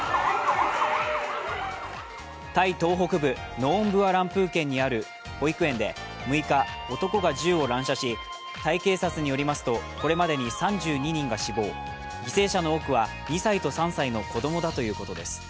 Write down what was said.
タイ東北部、ノーンブワラムプー県にある保育園で６日男が銃を乱射し、タイ警察によりますと、これまでに３２人が死亡、犠牲者の多くは２歳と３歳の子供だということです。